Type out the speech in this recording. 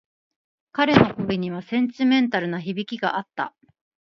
彼の声にはセンチメンタルな響きがあった。